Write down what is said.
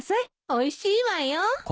おいしいわよ。